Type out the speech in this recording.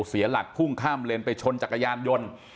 เสียหลักพุ่งข้ามเลนไปชนจักรยานยนต์